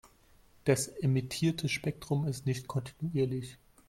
Das emittierte Spektrum ist nicht kontinuierlich.